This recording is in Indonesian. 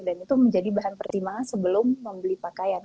dan itu menjadi bahan pertama sebelum membeli pakaian